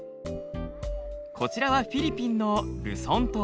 こちらはフィリピンのルソン島。